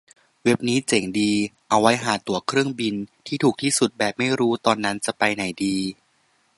เว็บนี้เจ๋งดี เอาไว้หาตั๋วเครื่องบินที่ถูกที่สุดแบบไม่รู้ตอนนั้นจะไปไหนดี